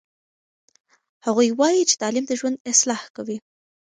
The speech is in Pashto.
هغوی وایي چې تعلیم د ژوند اصلاح کوي.